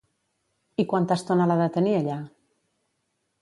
I quanta estona l'ha de tenir allà?